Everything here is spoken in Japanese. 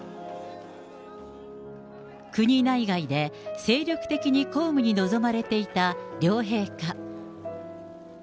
国内外で精力的に公務に臨まれていた両陛下。